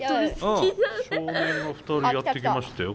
少年が２人やって来ましたよ。